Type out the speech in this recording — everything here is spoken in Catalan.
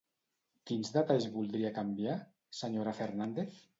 Quins detalls voldria canviar, senyora Fernández?